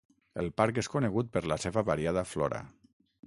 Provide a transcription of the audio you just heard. El parc és conegut per la seva variada flora.